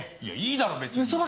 いやいいだろ別に。